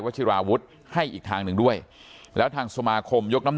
ชิราวุฒิให้อีกทางหนึ่งด้วยแล้วทางสมาคมยกน้ำ